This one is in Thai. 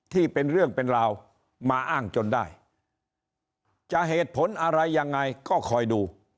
เป็นเรื่องเป็นราวมาอ้างจนได้จะเหตุผลอะไรยังไงก็คอยดู